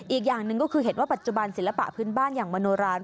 อีกอย่างหนึ่งก็คือเห็นว่าปัจจุบันศิลปะพื้นบ้านอย่างมโนรา